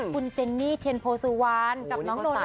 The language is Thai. คุณเจนนี่เทียนโพสุวรรณกับน้องนนท